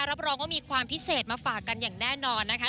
รับรองว่ามีความพิเศษมาฝากกันอย่างแน่นอนนะคะ